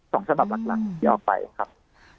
ส่องสมัครหลักยอมไปครับ